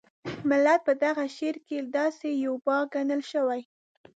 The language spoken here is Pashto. ملت په دغه شعر کې داسې یو باغ ګڼل شوی.